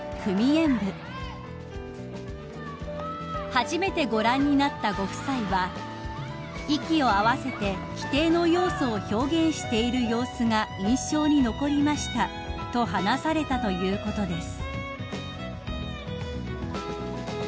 ［初めてご覧になったご夫妻は「息を合わせて規定の要素を表現している様子が印象に残りました」と話されたということです］